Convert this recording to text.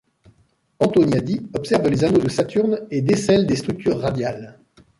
Antoniadi observe les anneaux de Saturne et décèle des structures radiales.